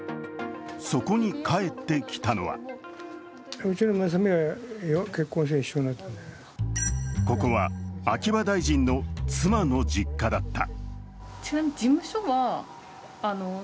そこに帰ってきたのはここは秋葉大臣の妻の実家だった。